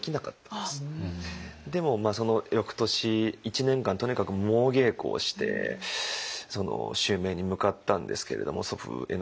でもその翌年１年間とにかく猛稽古をして襲名に向かったんですけれども祖父への感謝の思いも抱きつつ。